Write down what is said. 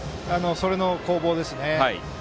それの攻防ですね。